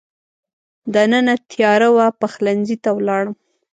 دننه تېاره وه، پخلنځي ته ولاړم.